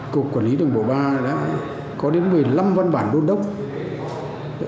cục quản lý đường bộ ba đã có đến một mươi năm văn bản đôn đốc